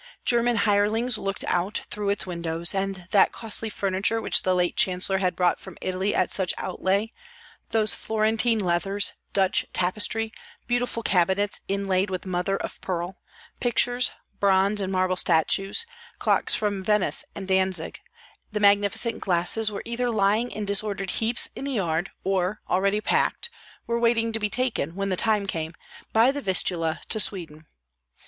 German hirelings looked out through its windows; and that costly furniture which the late chancellor had brought from Italy at such outlay, those Florentine leathers, Dutch tapestry, beautiful cabinets inlaid with mother of pearl, pictures, bronze and marble statues, clocks from Venice and Dantzig, and magnificent glasses were either lying in disordered heaps in the yard, or, already packed, were waiting to be taken, when the time came, by the Vistula to Sweden.